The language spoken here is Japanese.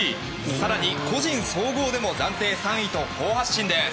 更に、個人総合でも暫定３位と好発進です。